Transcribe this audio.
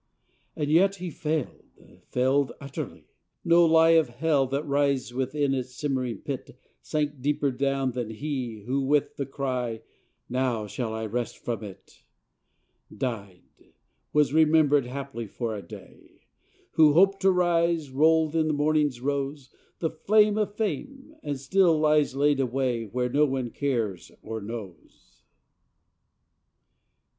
And yet he failed! failed utterly! No lie Of Hell, that writhes within its simmering pit, Sank deeper down than he, who, with the cry, "Now shall I rest from it!" Died; was remembered, haply, for a day; Who hoped to rise rolled in the morning's rose, The flame of fame, and still lies laid away Where no one cares or knows.